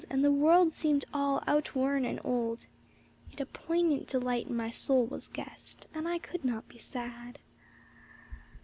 And the world seemed all outworn and old ; Yet a poignant delight in my soul was guest. And I could not be sad.